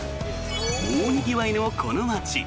大にぎわいのこの町。